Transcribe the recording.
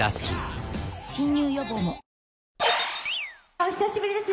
お久しぶりです。